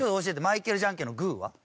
マイケルじゃんけんのグーは？